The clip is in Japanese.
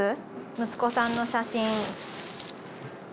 息子さんの写真。